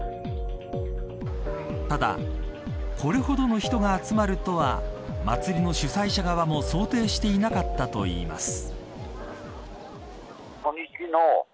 ただ、これほどの人が集まるとは祭りの主催者側も想定していなかったといいます。